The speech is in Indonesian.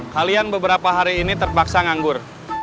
kalian beberapa hari ini terpaksa nganggur